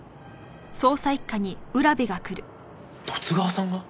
十津川さんが？